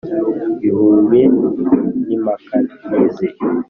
bihure n’impakanizi